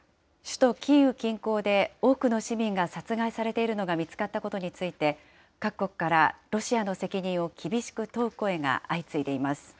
首都キーウ近郊で多くの市民が殺害されているのが見つかったことについて、各国からロシアの責任を厳しく問う声が相次いでいます。